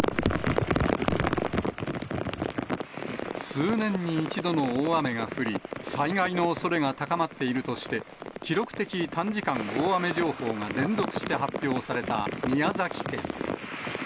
数年に一度の大雨が降り、災害のおそれが高まっているとして、記録的短時間大雨情報が連続して発表された宮崎県。